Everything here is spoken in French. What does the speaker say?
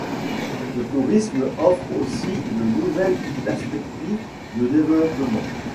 Le tourisme offre aussi de nouvelles perspectives de développement.